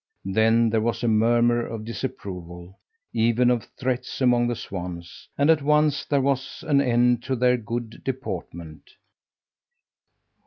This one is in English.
Then there was a murmur of disapproval, even of threats, among the swans, and at once there was an end to their good deportment!